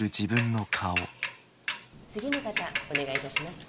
次の方お願いいたします。